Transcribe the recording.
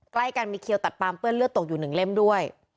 ใกล้กันมีเขียวตัดปามเปื้อนเลือดตกอยู่๑เล่มด้วย